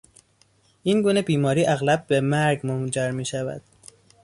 این گونه بیماری اغلب به مرگ منجر میشود.